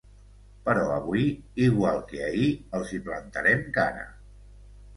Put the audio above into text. Però avui, igual que ahir, els hi plantarem cara.